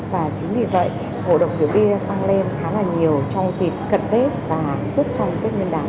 và chính vì vậy ngộ độc rượu bia tăng lên khá là nhiều trong dịp cận tết và suốt trong tết nguyên đán